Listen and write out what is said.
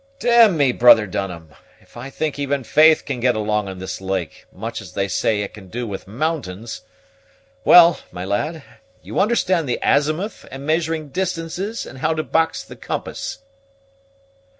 "D me, brother Dunham, if I think even Faith can get along on this lake, much as they say it can do with mountains. Well, my lad, you understand the azimuth, and measuring distances, and how to box the compass."